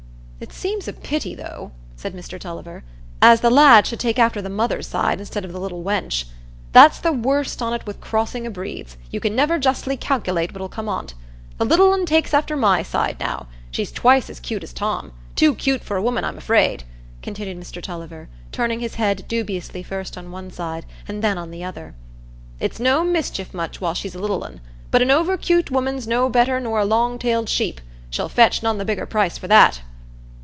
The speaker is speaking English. "It seems a bit a pity, though," said Mr Tulliver, "as the lad should take after the mother's side instead o' the little wench. That's the worst on't wi' crossing o' breeds: you can never justly calkilate what'll come on't. The little un takes after my side, now: she's twice as 'cute as Tom. Too 'cute for a woman, I'm afraid," continued Mr Tulliver, turning his head dubiously first on one side and then on the other. "It's no mischief much while she's a little un; but an over 'cute woman's no better nor a long tailed sheep,—she'll fetch none the bigger price for that."